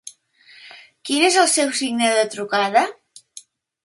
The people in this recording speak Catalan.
Quin és el seu signe de trucada?